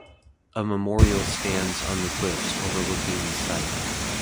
A memorial stands on the cliffs overlooking the site.